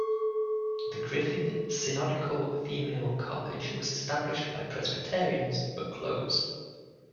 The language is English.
The Griffin Synodical Female College was established by Presbyterians but closed.